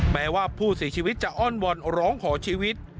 แม้ว่าผู้เสียชีวิตจะอ้อนวอนร้องขอชีวิต